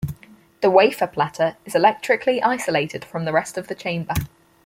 The wafer platter is electrically isolated from the rest of the chamber.